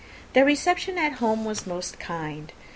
Their reception at home was most kind.